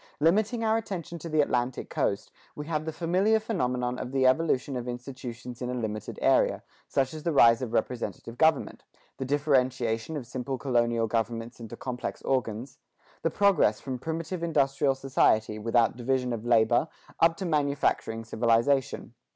Limiting our attention to the Atlantic coast, we have the familiar phenomenon of the evolution of institutions in a limited area, such as the rise of representative government; the differentiation of simple colonial governments into complex organs; the progress from primitive industrial society, without division of labor, up to manufacturing civilization.